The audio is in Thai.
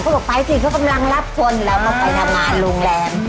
บอกไปสิเขากำลังรับคนแล้วก็ไปทำงานโรงแรม